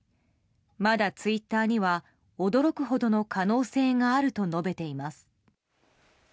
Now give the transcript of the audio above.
まだツイッターには驚くほどの可能性があると述べています。